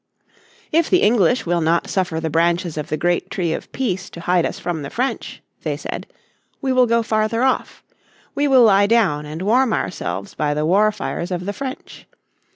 "If the English will not suffer the branches of the Great Tree of Peace to hide us from the French," they said, "we will go farther off. We will lie down and warm ourselves by the war fires of the French.